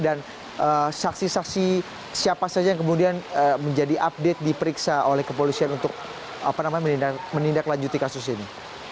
dan saksi saksi siapa saja yang kemudian menjadi update diperiksa oleh kepolisian untuk menindaklanjuti kasus ini